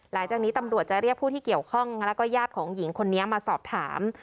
หลังจากนี้ตำรวจจะเรียกผู้ที่เกี่ยวข้องแล้วก็ญาติของหญิงคนนี้มาสอบถาม